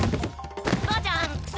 ばあちゃん薬